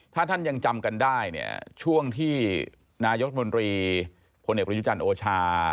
ถ้าท่านยังจำกันได้เนี่ยช่วงที่นายกรัฐมนตรีพลเอกประยุจันทร์โอชา